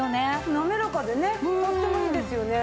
滑らかでねとってもいいですよね。